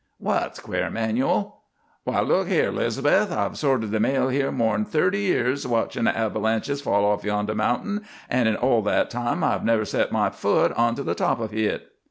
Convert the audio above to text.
"What's quare, 'Manuel? Why, look here, 'Liz'beth; I've sorted the mail here more 'n thirty year, watchin' the avalanches fall off yonder mounting, an' in all that time I've never set my foot onto the top of hit.